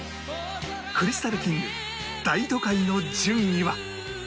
クリスタルキング『大都会』の順位は